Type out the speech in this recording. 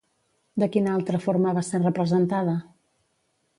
De quina altra forma va ser representada?